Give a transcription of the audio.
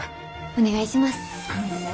お願いします。